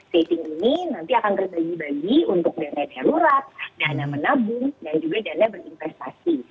saving ini nanti akan terbagi bagi untuk dana darurat dana menabung dan juga dana berinvestasi